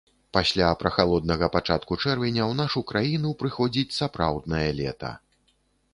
Пасля прахалоднага пачатку чэрвеня ў нашу краіну прыходзіць сапраўднае лета.